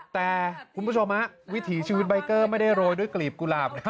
แต่คุณผู้ชมวิถีชีวิตใบเกอร์ไม่ได้โรยด้วยกลีบกุหลาบนะครับ